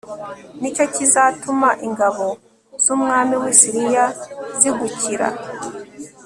ni cyo kizatuma ingabo zumwami wi Siriya zigukira